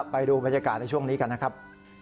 ไปดูบรรยากาศในช่วงนี้กันนะครับ